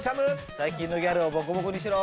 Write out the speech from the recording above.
最近のギャルをボコボコにしろ。